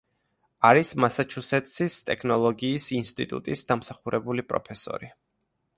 არის მასაჩუსეტსის ტექნოლოგიის ინსტიტუტის დამსახურებული პროფესორი.